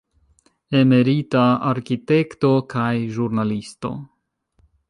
Emerita arkitekto kaj ĵurnalisto.